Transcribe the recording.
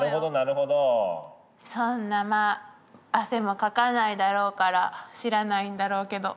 そんなまあ汗もかかないだろうから知らないんだろうけど。